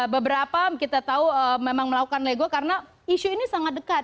beberapa kita tahu memang melakukan lego karena isu ini sangat dekat